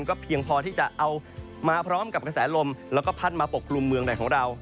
ก็เพียงพอที่จะเอามาพร้อมกับกระแสลมแล้วก็พัดมาปกกลุ่มเมืองไหนของเรา